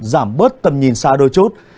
giảm bớt tầm nhìn xa đôi chút